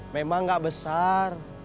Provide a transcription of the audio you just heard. memang gak besar